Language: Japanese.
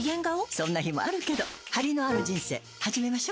そんな日もあるけどハリのある人生始めましょ。